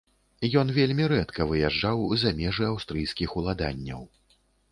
Ён вельмі рэдка выязджаў за межы аўстрыйскіх уладанняў.